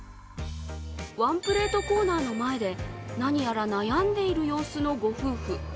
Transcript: ワンプレートコーナーの前で何やら悩んでいる様子のご夫婦。